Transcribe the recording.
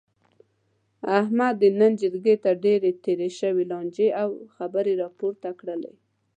احمد د نن جرګې ته ډېرې تېرې شوې لانجې او خبرې را پورته کړلې.